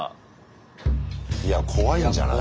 いや怖いんじゃない？